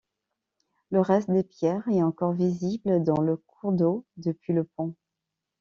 Le reste des pierres est encore visible dans le cours d'eau, depuis le pont.